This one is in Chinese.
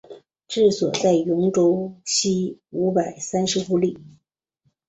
治所在戎州西五百三十五里。